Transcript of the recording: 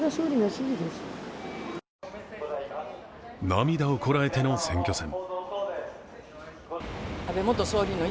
涙をこらえての選挙戦。